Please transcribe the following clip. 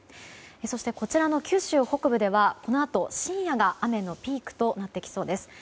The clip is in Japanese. そして、こちらの九州北部ではこのあと深夜が雨のピークとなってきそうです。